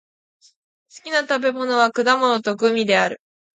私の好きな食べ物は果物とグミである。